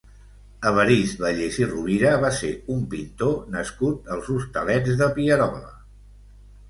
Evarist Vallès i Rovira va ser un pintor nascut als Hostalets de Pierola.